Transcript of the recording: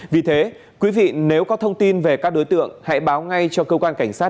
vì thế quý vị nếu có thông tin về các đối tượng hãy báo ngay cho cơ quan cảnh sát